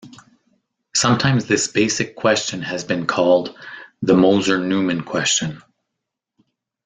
Sometimes this basic question has been called "the Moser-Neumann question".